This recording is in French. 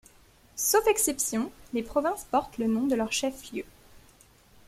Sauf exception, les provinces portent le nom de leur chef-lieu.